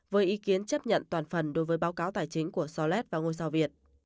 với ý kiến chấp nhận toàn phần đối với báo cáo tài chính của soled và ngô sao việt